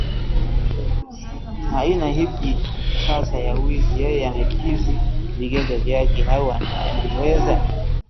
Aina ipi sasa ya wizi yeye amekidhi vigezo vyake au anaiweza?